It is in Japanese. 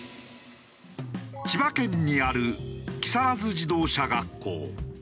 千葉県にある木更津自動車学校。